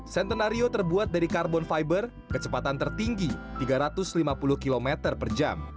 centenario terbuat dari karbon fiber kecepatan tertinggi tiga ratus lima puluh km per jam